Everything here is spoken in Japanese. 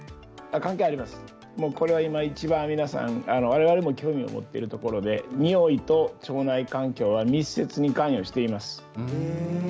これは、いちばん皆さん我々も興味を持っているところでにおいと腸内環境は密接に関与しています。